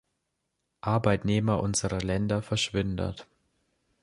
Arbeitnehmer unserer Länder verschwindet!